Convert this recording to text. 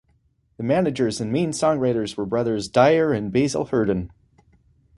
The managers and main songwriters were brothers Dyer and Basil Hurdon.